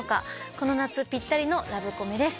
この夏ぴったりのラブコメです